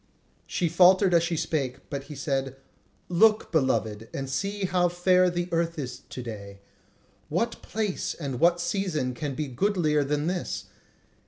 She faltered as she spake, but he said: "Look, beloved, and see how fair the earth is to day! What place and what season can be goodlier than this?